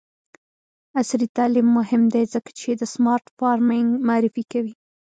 عصري تعلیم مهم دی ځکه چې د سمارټ فارمینګ معرفي کوي.